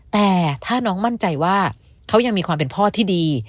แต่ถ้าน้องมั่นใจว่าเขายังมีความเป็นพ่อที่ดี